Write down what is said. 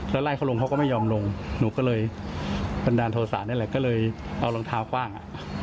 แล้วไล่เขาลงเขาก็ไม่ยอมลงหนูก็เลยบันดาลโทษะนี่แหละก็เลยเอารองเท้าคว่างอ่ะ